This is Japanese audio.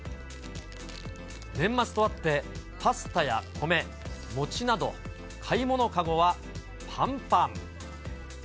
年末とあって、パスタや米、餅など買い物籠はぱんぱん。